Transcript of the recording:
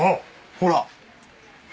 ほら。